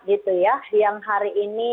gitu ya yang hari ini